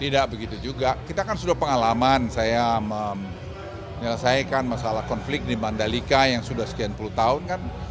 tidak begitu juga kita kan sudah pengalaman saya menyelesaikan masalah konflik di mandalika yang sudah sekian puluh tahun kan